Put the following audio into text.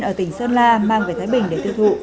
ở tỉnh sơn la mang về thái bình để tiêu thụ